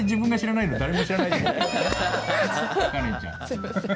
すいません。